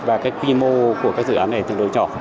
và cái quy mô của các dự án này tương đối nhỏ